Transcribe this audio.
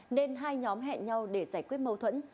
nên hai nhóm hẹn nhau để giải quyết mâu thuẫn